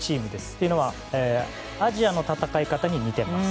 というのはアジアの戦い方に似ています。